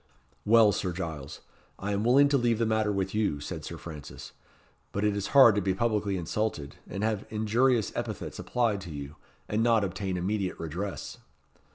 "Well, Sir Giles, I am willing to leave the matter with you," said Sir Francis; "but it is hard to be publicly insulted, and have injurious epithets applied to you, and not obtain immediate redress."